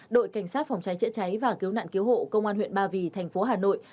đội cảnh sát phòng cháy chữa cháy và cứu nạn cứu hộ công an huyện ba vì thành phố hà nội